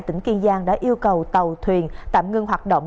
tỉnh kiên giang đã yêu cầu tàu thuyền tạm ngưng hoạt động